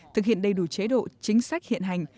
thực hiện đầy đủ chế độ chính sách hiện hành